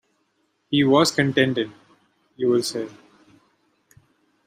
He was contented, you will say.